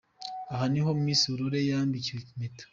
Aha niho Miss Aurore yambikiwe impeta.